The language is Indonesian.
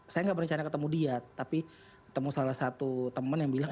saya nggak berencana ketemu dia tapi ketemu salah satu temen yang bilang